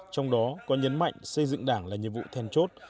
trong đó có nhấn mạnh xây dựng đảng là nhiệm vụ then chốt